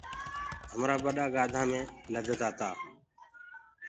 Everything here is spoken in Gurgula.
همرآ ٻڏآ گاڌآ مي سڦر ڪردآ تا۔